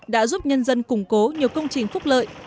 đã giúp nhân dân củng cố nhiều công trình phúc lợi